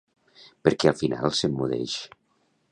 Per què al final s'emmudeix?